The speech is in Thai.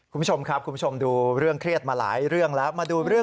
คุณผู้ชมครับคุณผู้ชมดูเรื่องเครียดมาหลายเรื่องแล้วมาดูเรื่อง